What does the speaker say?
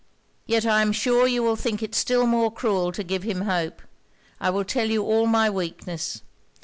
'Yet I am sure you will think it still more cruel to give him hope. I will tell you all my weakness.